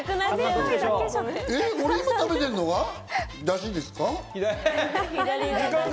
俺が今、食べてるのは、だしですか？